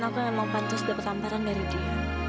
kemarin aku memang pantas dapet amaran dari dia